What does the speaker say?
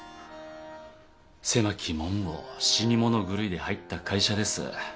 狭き門を死に物狂いで入った会社です。